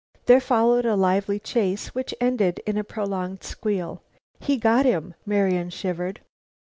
There followed a lively chase which ended in a prolonged squeal. "He got him!" Marian shivered.